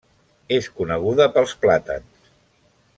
És coneguda pels plàtans.